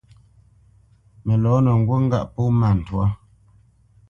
Mə lɔ̌nə ŋgút ŋgâʼ pó nâ twá.